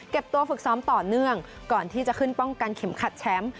ตัวฝึกซ้อมต่อเนื่องก่อนที่จะขึ้นป้องกันเข็มขัดแชมป์